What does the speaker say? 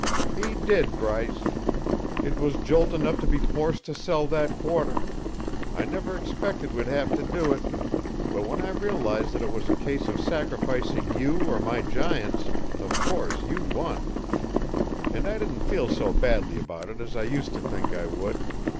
"He did, Bryce. It was jolt enough to be forced to sell that quarter I never expected we'd have to do it; but when I realize that it was a case of sacrificing you or my Giants, of course you won. And I didn't feel so badly about it as I used to think I would.